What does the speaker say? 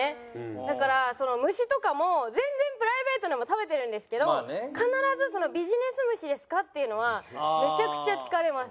だから虫とかも全然プライベートでも食べてるんですけど必ず「ビジネス虫ですか？」っていうのはめちゃくちゃ聞かれます。